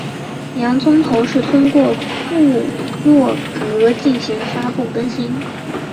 洋葱头是通过部落格进行发布更新。